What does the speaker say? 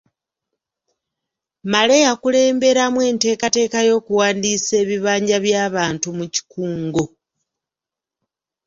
Male yakulemberamu enteekateeka y’okuwandiisa ebibanja by’abantu mu kikungo